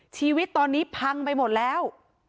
ชีวิตตอนนี้พังไปหมดแล้ว